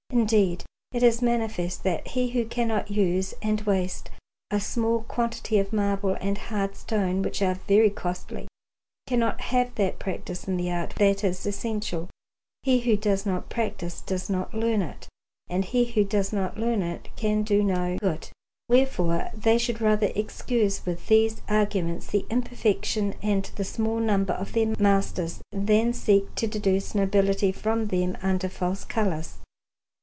Indeed, it is manifest that he who cannot use and waste a small quantity of marble and hard stone, which are very costly, cannot have that practice in the art that is essential; he who does not practise does not learn it; and he who does not learn it can do no good. Wherefore they should rather excuse with these arguments the imperfection and the small number of their masters, than seek to deduce nobility from them under false colours.